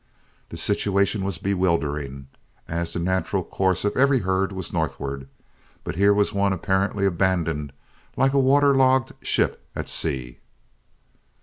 The situation was bewildering, as the natural course of every herd was northward, but here was one apparently abandoned like a water logged ship at sea.